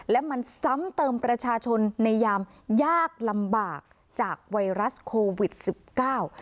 และมันซ้ำเติมประชาชนในยามยากลำบากจากไวรัสโควิดสิบเก้า